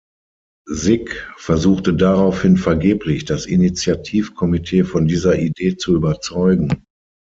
Sigg versuchte daraufhin vergeblich, das Initiativkomitee von dieser Idee zu überzeugen.